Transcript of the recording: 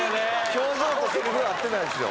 表情とセリフが合ってないですよ。